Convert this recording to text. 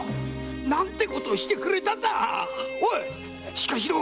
しっかりしろ！